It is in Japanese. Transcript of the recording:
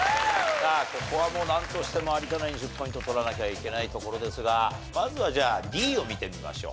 さあここはもうなんとしても有田ナイン１０ポイント取らなきゃいけないところですがまずはじゃあＤを見てみましょう。